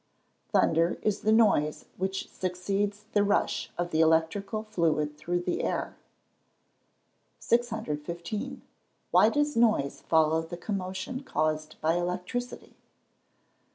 _ Thunder is the noise which succeeds the rush of the electrical fluid through the air. 615. _Why does noise follow the commotion caused by electricity?